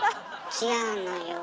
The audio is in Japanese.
違うのよ。